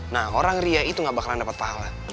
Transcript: nah orang ria itu gak bakalan dapat pahala